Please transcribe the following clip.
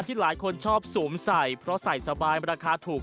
ที่หลายคนชอบสวมใส่เพราะใส่สบายราคาถูก